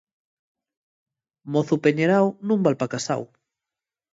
Mozu peñeráu nun val pa casáu.